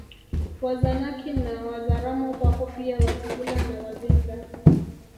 Wazanaki na Wazaramo wapo pia Wazigula na Wazinza